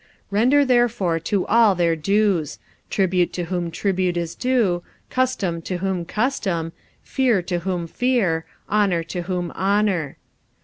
45:013:007 Render therefore to all their dues: tribute to whom tribute is due; custom to whom custom; fear to whom fear; honour to whom honour.